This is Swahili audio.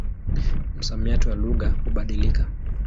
Msamiati wa lugha hubadilika.